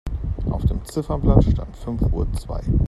Auf dem Ziffernblatt stand fünf Uhr zwei.